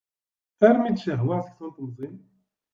Armi d-cehwaɣ seksu n temẓin.